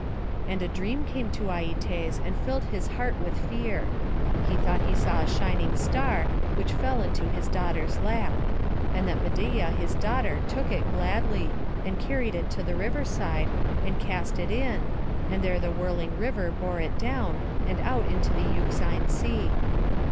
And a dream came to Aietes, and filled his heart with fear. He thought he saw a shining star, which fell into his daughter's lap; and that Medeia his daughter took it gladly, and carried it to the river side, and cast it in, and there the whirling river bore it down, and out into the Euxine Sea.